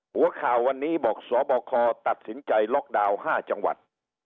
หัวข่าววันนี้บอกสบคตัดสินใจล็อกดาวน์๕จังหวัด